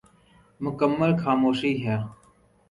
مکمل خاموشی ہے۔